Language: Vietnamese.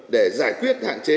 để giải quyết hạn chế